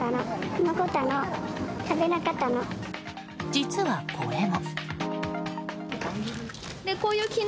実は、これも。